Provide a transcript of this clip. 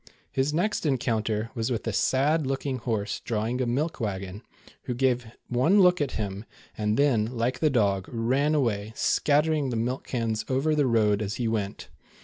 His next encounter was ^with a sad looking horse drawing a milk wagon, who gave one look at him, and then like the dog, ran away, scattering the milk cans over the road as he went.